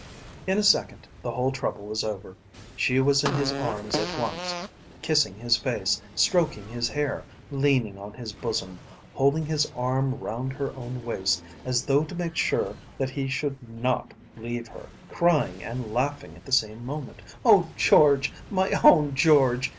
In a second the whole trouble was over. She was in his arms at once, kissing his face, stroking his hair, leaning on his bosom, holding his arm round her own waist as though to make sure that he should not leave her; crying and laughing at the same moment. "Oh, George, my own George!